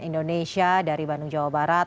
indonesia dari bandung jawa barat